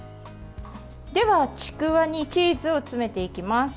では、ちくわにチーズを詰めていきます。